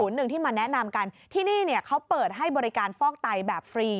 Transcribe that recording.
หนึ่งที่มาแนะนำกันที่นี่เนี่ยเขาเปิดให้บริการฟอกไตแบบฟรี